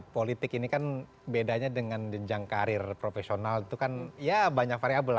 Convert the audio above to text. politik ini kan bedanya dengan jenjang karir profesional itu kan ya banyak variable